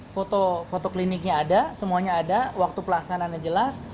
foto foto kliniknya ada semuanya ada waktu pelaksanaannya jelas